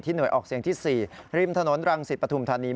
หน่วยออกเสียงที่๔ริมถนนรังสิตปฐุมธานี